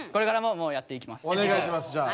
おねがいしますじゃあ。